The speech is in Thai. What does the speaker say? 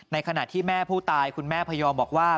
ขณะที่แม่ผู้ตายคุณแม่พยอมบอกว่า